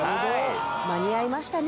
間に合いましたね。